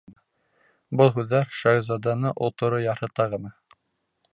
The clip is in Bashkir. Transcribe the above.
Был һүҙҙәр шаһзадәне оторо ярһыта ғына.